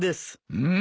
うん。